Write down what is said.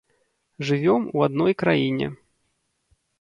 Жывём у адной краіне.